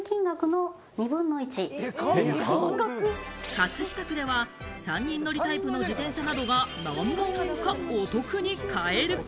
葛飾区では３人乗りタイプの自転車などが何万円かお得に買える。